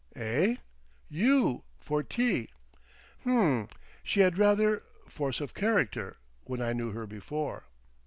"Eh?" "You—for tea. "H'm. She had rather—force of character. When I knew her before."